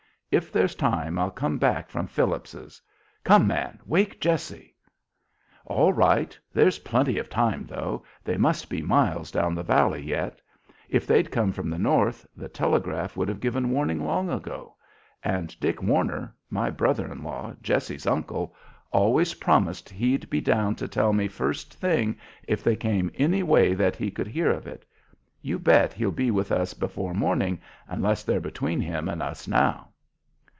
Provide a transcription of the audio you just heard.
If there's time I'll come back from Phillips's. Come, man! Wake Jessie." "All right. There's plenty of time, though. They must be miles down the valley yet. If they'd come from the north, the telegraph would have given warning long ago. And Dick Warner my brother in law, Jessie's uncle always promised he'd be down to tell me first thing, if they came any way that he could hear of it. You bet he'll be with us before morning, unless they're between him and us now."